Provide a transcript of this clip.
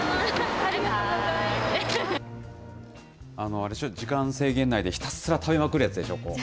あれでしょ、時間制限内でひたすら食べまくるやつでしょ。